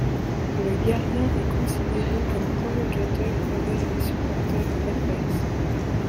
Le gardien est considéré comme provocateur envers les supporters adverses.